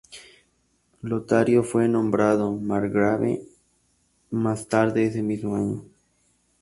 Lotario fue nombrado margrave más tarde ese mismo año.